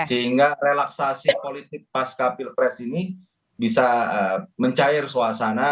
sehingga relaksasi politik pasca pilpres ini bisa mencair suasana